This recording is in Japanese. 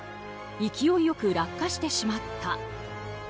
勢いよく落下してしまった。